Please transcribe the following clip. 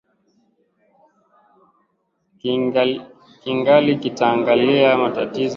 kingali kitaangalia matatizo haya na kwa haraka haraka tu kocha wa mabingwa mara sita